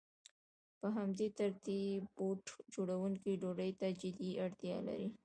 په همدې ترتیب بوټ جوړونکی ډوډۍ ته جدي اړتیا لري